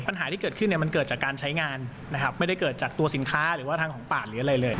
ปัญหาที่เกิดขึ้นเนี่ยมันเกิดจากการใช้งานนะครับไม่ได้เกิดจากตัวสินค้าหรือว่าทางของป่าหรืออะไรเลย